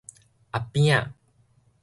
阿扁仔